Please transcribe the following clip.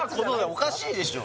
おかしいでしょう